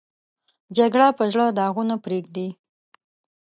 جګړه په زړه داغونه پرېږدي